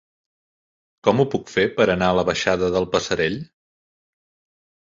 Com ho puc fer per anar a la baixada del Passerell?